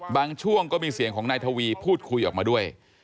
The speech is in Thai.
ช่วงก็มีเสียงของนายทวีพูดคุยออกมาด้วย